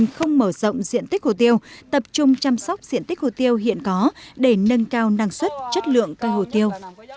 cơ quan chức năng tỉnh lâm đồng không mở rộng diện tích hồ tiêu tập trung chăm sóc diện tích hồ tiêu hiện có để nâng cao năng suất chất lượng cây hồ tiêu